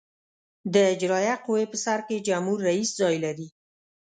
د اجرائیه قوې په سر کې جمهور رئیس ځای لري.